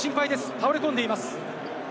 倒れ込んでいます。